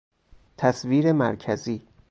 تصویر مرکزی